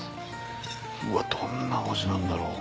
うわっどんなお味なんだろう。